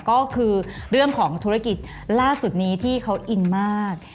ก็คือเรื่องของธุรกิจล่าสุดนี้ที่เขาอินมาก